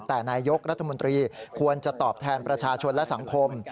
แต่นายยกรัฐมนตรีควรจะตอบแทนประชาชนและสังคม